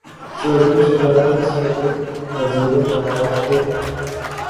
چوہدری شجاعت اس وقت وزیر داخلہ تھے۔